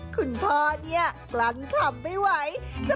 กูเรียกว่าถุงอะไรนะ